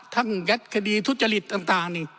ทั้งแยสก์คดีทุจริตต่าง